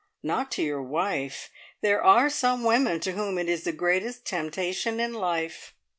Not to your wife. There are some women to whom it is the greatest temptation in life."